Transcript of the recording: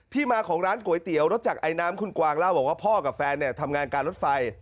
มาของร้านก๋วยเตี๋ยวรถจักรไอน้ำคุณกวางเล่าบอกว่าพ่อกับแฟนเนี่ยทำงานการรถไฟ